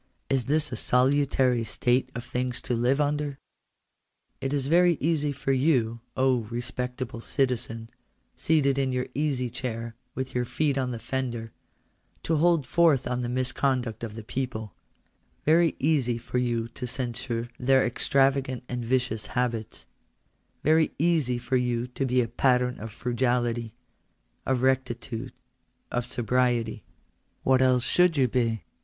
Is this a * salulary state of things to live under ?' It is very easy for you, O respectable citizen, seated in your easy chair, with your feet on the fender, to hold forth on the misconduct of the people ;— very easy for you to censure their extravagant and vicious habits ;— very easy for you to be a pat tern of frugality, of rectitude, of sobriety. What else should you be?